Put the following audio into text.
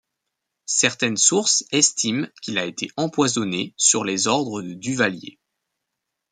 Certaines sources estiment qu'il a été empoisonné sur les ordres de Duvalier.